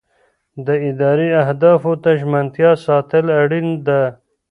د ادارې اهدافو ته ژمنتیا ساتل اړینه ده.